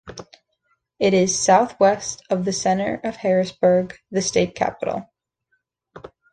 It is southwest of the center of Harrisburg, the state capital.